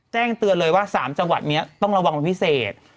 แจ้งเตือนเลยว่า๓จังหวัดนี้ต้องระวังเป็นพิเศษ